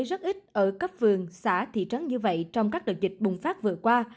rất ít ở cấp vườn xã thị trấn như vậy trong các đợt dịch bùng phát vừa qua